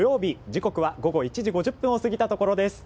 時刻は午後１時５０分を過ぎたところです。